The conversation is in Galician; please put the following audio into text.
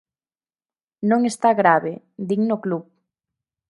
Non está grave, din no Club.